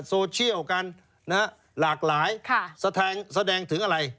โซเชียลกันนะฮะหลากหลายแสดงถึงอะไร